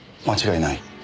間違いない？